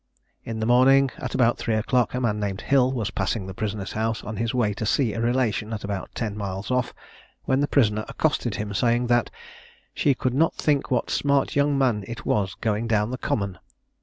In the morning, at about three o'clock, a man named Hill was passing the prisoner's house on his way to see a relation at about ten miles off, when the prisoner accosted him, saying that "She could not think what smart young man it was going down the common."